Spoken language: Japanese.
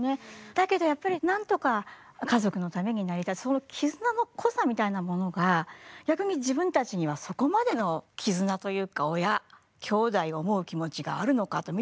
だけどやっぱりなんとか家族のためになりたいその絆の濃さみたいなものが逆に自分たちにはそこまでの絆というか親きょうだいを思う気持ちがあるのかと見てると。